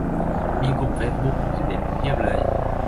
มีกลุ่มเฟซบุ๊กเด็ดเด็ดเพียบเลย